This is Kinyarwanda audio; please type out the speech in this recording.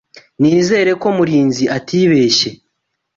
Nizere ko Murinzi atibeshye.